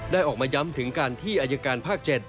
ออกมาย้ำถึงการที่อายการภาค๗